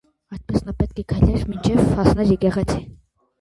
Այդպես նա պետք է քայլեր մինչև հասներ եկեղեցի։